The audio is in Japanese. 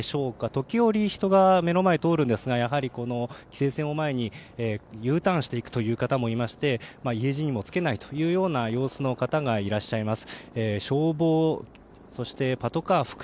時折、人が目の前を通るんですがやはり、この規制線を前にＵターンしていくという方もいまして家路にも着けないという様子の方がいらっしゃいます。